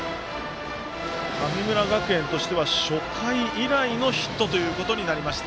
神村学園としては初回以来のヒットということになりました。